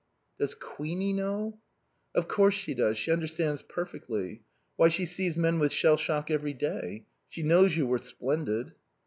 "Does Queenie know?" "Of course she does. She understands perfectly. Why, she sees men with shell shock every day. She knows you were splendid."